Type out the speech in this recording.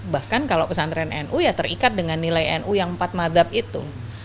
bahkan kalau pesantren nu ya terikat dengan nilai nu yang empat madhab itu